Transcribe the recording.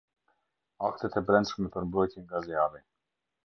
Aktet e brendshme për mbrojtje nga zjarri.